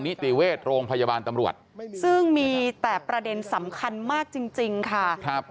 นิติเวชโรงพยาบาลตำรวจซึ่งมีแต่ประเด็นสำคัญมากจริงจริงค่ะครับ